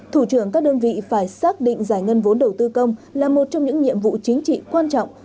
thủ trưởng các đơn vị phải xác định giải ngân vốn đầu tư công là một trong những nhiệm vụ chính trị quan trọng